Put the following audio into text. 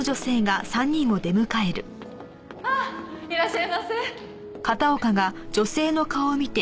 あっいらっしゃいませ。